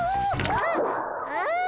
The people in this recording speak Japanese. あっああ！